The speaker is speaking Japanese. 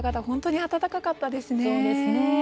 本当に温かかったですね。